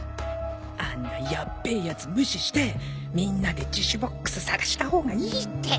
あんなヤッベえやつ無視してみんなで自首ボックス探した方がいいって。